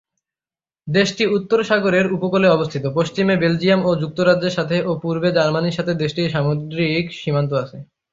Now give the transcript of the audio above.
দেশটি উত্তর সাগরের উপকূলে অবস্থিত; পশ্চিমে বেলজিয়াম ও যুক্তরাজ্যের সাথে ও পূর্বে জার্মানির সাথে দেশটির সামুদ্রিক সীমান্ত আছে।